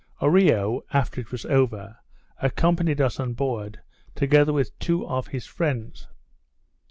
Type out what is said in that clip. Oreo, after it was over, accompanied us on board, together with two of his friends.